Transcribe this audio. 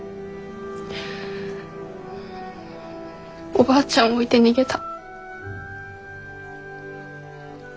おばあちゃんを置いて逃げた。